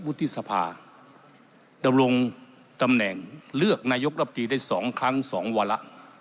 วุฒิศภาดำลงตำแหน่งเลือกนายกรัฐมนตรีได้สองครั้งสองวัละ